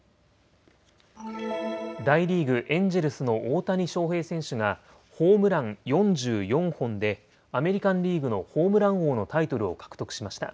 大リーグ、エンジェルスの大谷翔平選手がホームラン４４本でアメリカンリーグのホームラン王のタイトルを獲得しました。